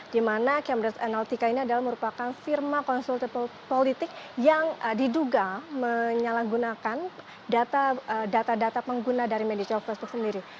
dimana cambridge analytical ini adalah merupakan firma konsultasi politik yang diduga menyalahgunakan data data pengguna dari media sosial facebook sendiri